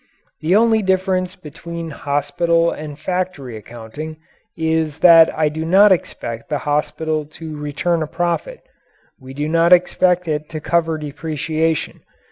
The only difference between hospital and factory accounting is that I do not expect the hospital to return a profit; we do expect it to cover depreciation.